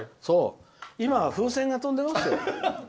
今は風船が飛んでますよ。